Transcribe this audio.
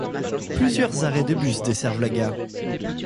Plusieurs arrêts de bus desservent la gare.